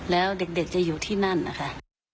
แล้วเด็กจะอยู่ที่นั่นนะคะ